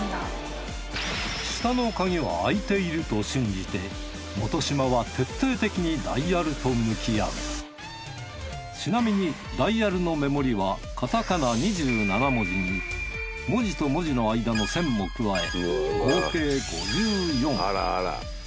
下の鍵は開いていると信じて本嶋は徹底的にちなみにダイヤルのメモリはカタカナ２７文字に文字と文字の間の線も加え合計５４。